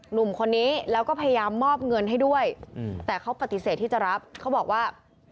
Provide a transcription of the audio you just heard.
หนุ่มคนนี้แล้วก็พยายามมอบเงินให้ด้วยแต่เขาปฏิเสธที่จะรับเขาบอกว่า